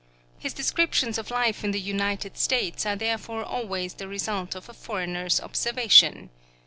His descriptions of life in the United States are therefore always the result of a foreigner's observation.